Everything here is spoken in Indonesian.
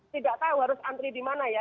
tidak tahu harus antri di mana ya